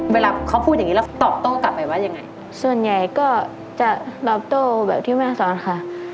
เวลาเขาพูดอย่างงี้แล้วตอบโต้กลับไปว่ายังไงส่วนใหญ่ก็จะตอบโต้แบบที่แม่ซ้อนค่ะ